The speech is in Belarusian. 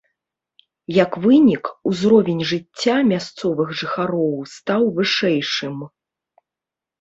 Як вынік, узровень жыцця мясцовых жыхароў стаў вышэйшым.